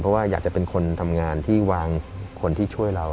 เพราะว่าอยากจะเป็นคนทำงานที่วางคนที่ช่วยเรา